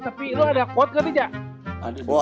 tapi lu ada quote gak nih jah